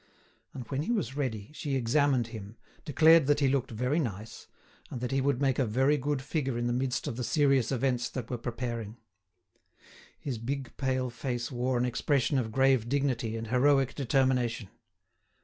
And when he was ready, she examined him, declared that he looked very nice, and that he would make a very good figure in the midst of the serious events that were preparing. His big pale face wore an expression of grave dignity and heroic determination.